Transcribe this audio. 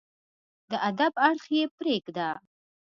د ادب اړخ يې پرېږده